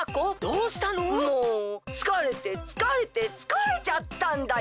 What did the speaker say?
もうつかれてつかれてつかれちゃったんだよ。